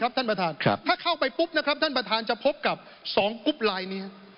สไล้ถันไปครับถ้าเข้าไปปุ๊บนะครับจะพบกับสองกุ๊บไรด์เนี่ย